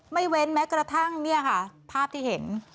ไม่เว้นแม้กระทั่งภาพที่เห็น